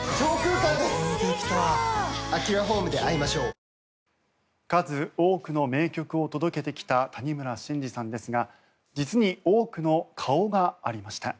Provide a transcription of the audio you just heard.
２１数多くの名曲を届けてきた谷村新司さんですが実に多くの顔がありました。